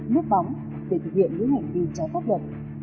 núp bóng để thực hiện những hành vi trái pháp luật